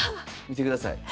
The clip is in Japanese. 見てください。